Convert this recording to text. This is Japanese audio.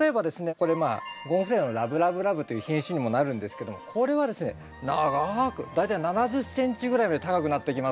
これゴンフレナのラブラブラブという品種にもなるんですけどもこれはですね長く大体７０ｃｍぐらいまで高くなってきますから。